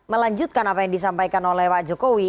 melanjutkan apa yang disampaikan oleh pak jokowi